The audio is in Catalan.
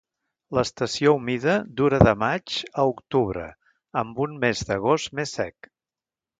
L'estació humida dura de maig a octubre, amb un mes d'agost més sec.